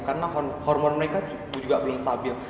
karena hormon mereka juga belum stabil